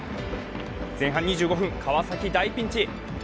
前半２５分、川崎、大ピンチ。